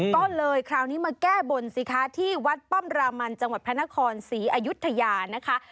ก็เลยคราวนี้มาแก้บนสิคะที่วัดป้อมรามันจังหวัดพระนครศรีอยุธยานะคะ